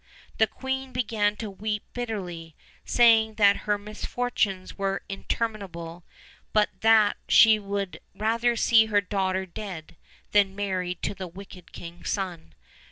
The queen began to weep bitterly, saying that her misfortunes were interminable, but that she would rather see her daughter dead than married to the wicked king's son.